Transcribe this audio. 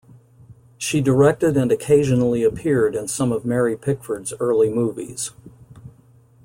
She directed and occasionally appeared in some of Mary Pickford's early movies.